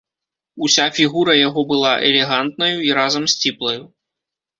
Уся фігура яго была элегантнаю і разам сціплаю.